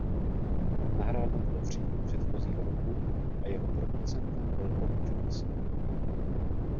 Nahráno bylo v říjnu předchozího roku a jeho producentem byl Bob Johnston.